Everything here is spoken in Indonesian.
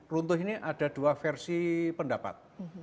runtuh ini ada dua versi pendapat